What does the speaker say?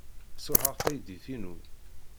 Sṛuḥeɣ taydit-inu.